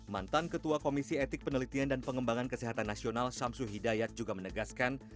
mantan ketua komisi etik penelitian dan pengembangan kesehatan nasional syamsu hidayat juga menegaskan